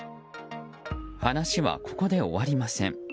話はここで終わりません。